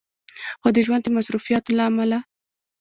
خو د ژوند د مصروفياتو له عمله